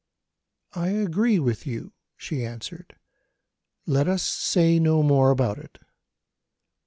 "I agree with you," she answered, "let us say no more about it."